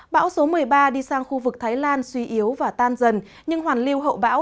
bão số một mươi ba đi sang khu vực thái lan suy yếu và tan dần nhưng hoàn lưu hậu bão